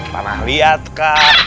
tanah liat kah